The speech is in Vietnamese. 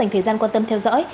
dành thời gian quan tâm theo dõi